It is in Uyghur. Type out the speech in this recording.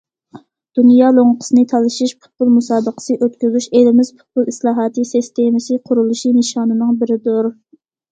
دۇنيا لوڭقىسىنى تالىشىش پۇتبول مۇسابىقىسى ئۆتكۈزۈش ئېلىمىز پۇتبول ئىسلاھاتى سىستېمىسى قۇرۇلۇشى نىشانىنىڭ بىرىدۇر.